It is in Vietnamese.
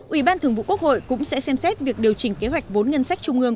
ủy ban thường vụ quốc hội cũng sẽ xem xét việc điều chỉnh kế hoạch vốn ngân sách trung ương